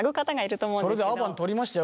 それでアバン撮りましたよ